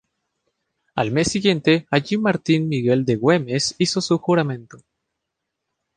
Al mes siguiente allí Martín Miguel de Güemes hizo su juramento.